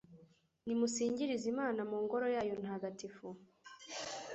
Nimusingirize Imana mu Ngoro yayo ntagatifu